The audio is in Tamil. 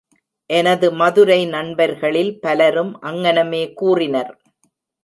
எனது மதுரை நண்பர்களில் பலரும் அங்ஙனமே கூறினர்.